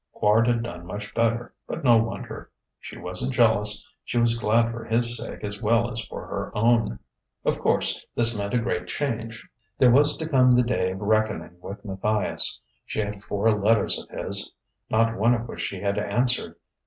Quard had done much better but no wonder! She wasn't jealous: she was glad for his sake as well as for her own. Of course, this meant a great change. There was to come the day of reckoning with Matthias.... She had four letters of his, not one of which she had answered....